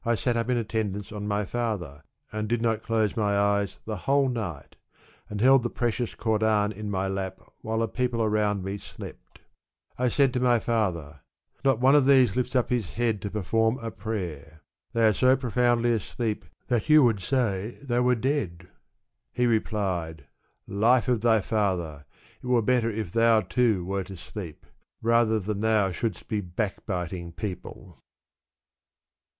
275 sat up in attendance on my &ther, and did not close my eyes the whole nighty and held the precious Koran in my lap while the people around me slept I said to my father, " Not one of these lifts up his head to perform a prayer/ They are so profoundly asleep that you would say they were dead." He replied, life of thy father ! it were better if thou, too, wert asleep ; rather than thou shouldst be backbiting peo ple."